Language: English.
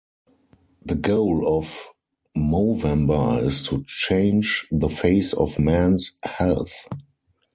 The goal of Movember is to change the face of men's health.